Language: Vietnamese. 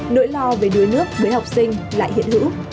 nỗi lo về đuối nước với học sinh lại hiện hữu